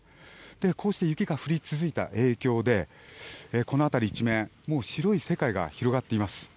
こうして雪が降り続いた影響でこの辺り一面白い世界が広がっています。